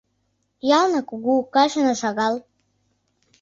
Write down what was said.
Ялна кугу, качына шагал